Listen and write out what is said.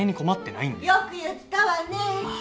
よく言ったわね。